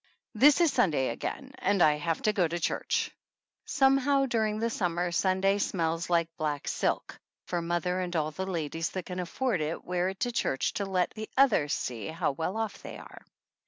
This is Sunday again and I have to go to church. Somehow, during the summer, Sunday smells like black silk, for mother and all the ladies that can afford it wear it to church to let the others see how well off they are.